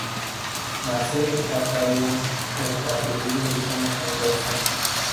Marcel Bataillon le atribuye origen converso.